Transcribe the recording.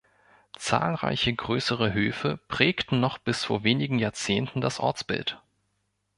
Zahlreiche größere Höfe prägten noch bis vor wenigen Jahrzehnten das Ortsbild.